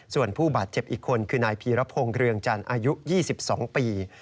ส่วนผู้บาดเจ็บอีกคนคือนายพีรพงศ์เรืองจันทร์อายุ๒๒ปี